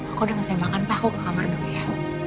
aku udah gak usah makan pak aku ke kamar dulu ya